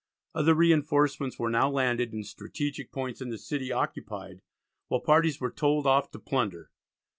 Other reinforcements were now landed and strategic points in the city occupied, while parties were told off to plunder.